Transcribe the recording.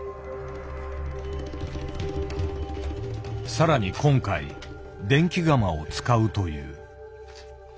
更に今回電気窯を使うという。